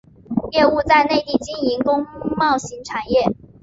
业务在内地经营工贸型产业。